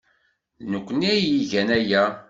D nekkni ay igan aya.